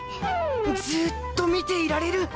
ずっと見ていられる！